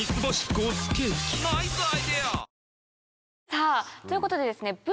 さぁということでですね